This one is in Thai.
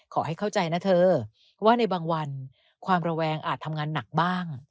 ขอให้เข้าใจนะเธอว่าในบางวันความระแวงอาจทำงานหนักบ้าง